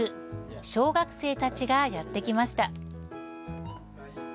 小学生たちがやってきました。